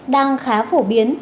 đang khá phổ biến